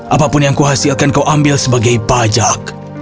apapun yang kuhasilkan kau ambil sebagai pajak